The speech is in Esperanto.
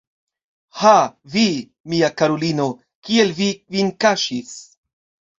Ha, vi, mia karulino, kiel vi vin kaŝis?